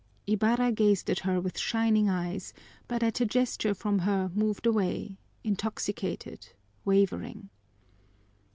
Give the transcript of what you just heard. Ibarra gazed at her with shining eyes, but at a gesture from her moved away intoxicated, wavering.